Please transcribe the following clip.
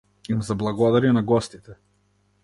Им заблагодари на гостите.